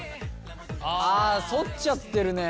あ反っちゃってるね。